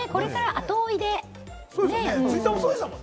後追いでね。